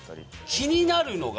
気になるのが。